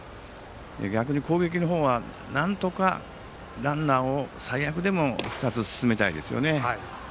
逆に攻撃の方は、なんとかランナーを最悪でも２つ進めたいですね。